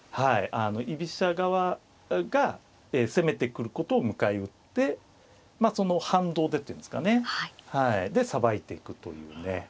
居飛車側が攻めてくることを迎え撃ってその反動でっていうんですかねでさばいていくというね。